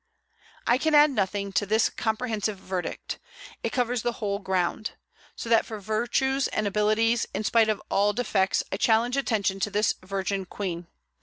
I can add nothing to this comprehensive verdict: it covers the whole ground. So that for virtues and abilities, in spite of all defects, I challenge attention to this virgin queen.